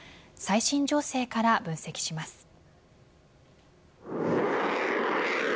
最新情勢から分析します。